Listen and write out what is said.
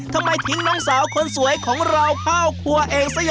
ตอนนี้ก็ประมาณ๒๐กว่าโต๊ะ